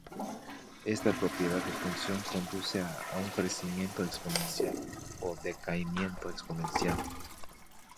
Esta propiedad de función conduce a un crecimiento exponencial o decaimiento exponencial.